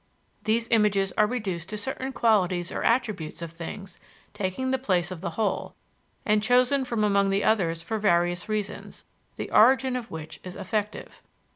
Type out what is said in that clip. These images are reduced to certain qualities or attributes of things, taking the place of the whole, and chosen from among the others for various reasons, the origin of which is affective.